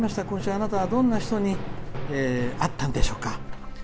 今週、あなたはどんな人に会ったんでしょうか。